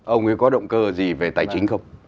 ông ấy có động cơ gì về tài chính không